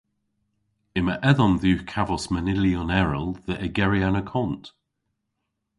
Yma edhom dhywgh kavos manylyon erel dhe ygeri an akont.